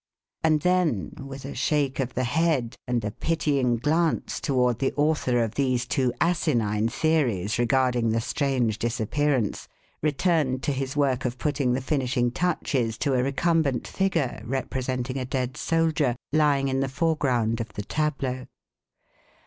And then, with a shake of the head and a pitying glance toward the author of these two asinine theories regarding the strange disappearance, returned to his work of putting the finishing touches to a recumbent figure representing a dead soldier lying in the foreground of the tableau.